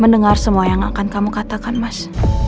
mendengar semua yang akan kamu katakan mas